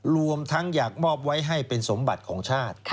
รวมทั้งอยากมอบไว้ให้เป็นสมบัติของชาติ